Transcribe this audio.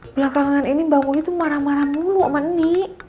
belakangan ini bang muhyidd itu marah marah mulu sama nek